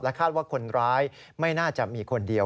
คาดว่าคนร้ายไม่น่าจะมีคนเดียว